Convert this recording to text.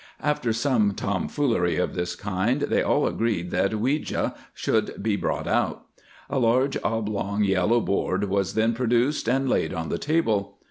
After some tomfoolery of this kind they all agreed that "Ouija" should be brought out. A large oblong yellow board was then produced and laid on the table.